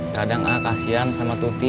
kadang kasian sama tuti